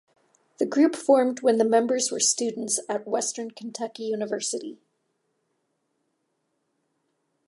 The group formed when the members were students at Western Kentucky University.